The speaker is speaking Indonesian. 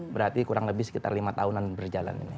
berarti kurang lebih sekitar lima tahunan berjalan ini